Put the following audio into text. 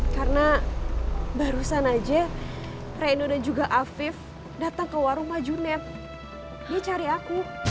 karena barusan aja renu dan juga afif datang ke warung majunet dia cari aku